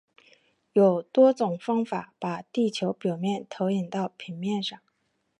有多种方法把地球表面投影到平面上。